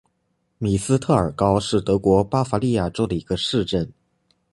米斯特尔高是德国巴伐利亚州的一个市镇。